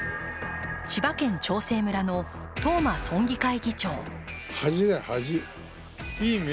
千葉県長生村の東間村議会議長。